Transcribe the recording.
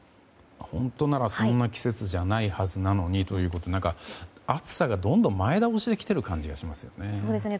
本当ならそんな季節じゃないはずなのに暑さがどんどん前倒しできている感じがしますね。